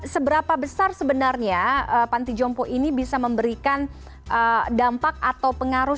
seberapa besar sebenarnya panti jompo ini bisa memberikan dampak atau pengaruh